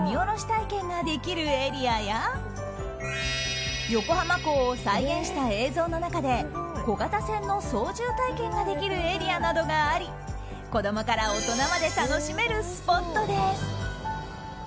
体験ができるエリアや横浜港を再現した映像の中で小型船の操縦体験ができるエリアなどがあり子供から大人まで楽しめるスポットです。